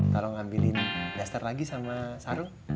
tolong ambilin duster lagi sama sarung